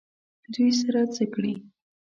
دوی سره څه کړي؟